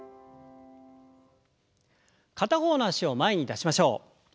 片方の脚を前に出しましょう。